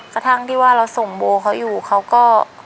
กระทั่งที่ว่าเราส่งโบเขาอยู่เขาก็